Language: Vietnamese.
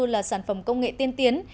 và sản phẩm công nghệ tiên tiến